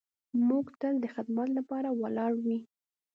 موټر تل د خدمت لپاره ولاړ وي.